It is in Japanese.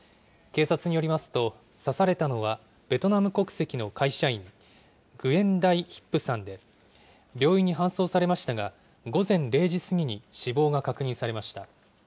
警察によりますと、刺されたのはベトナム国籍の会社員、グエン・ダイ・ヒップさんで、病院に搬送されましたが、午前０時過ぎに死亡が確認されました。